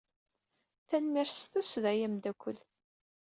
Tanemmirt s tussda a ameddakel.